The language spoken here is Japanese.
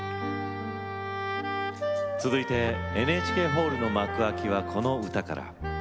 続いてＮＨＫホールの幕開きはこの歌から。